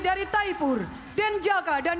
dari taipur denjaka dan